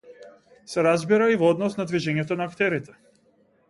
Се разбира, и во однос на движењето на актерите.